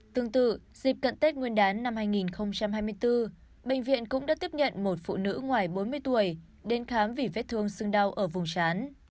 tương tự dịp cận tết nguyên đán năm hai nghìn hai mươi bốn bệnh viện cũng đã tiếp nhận một phụ nữ ngoài bốn mươi tuổi đến khám vì vết thương sưng đau ở vùng sán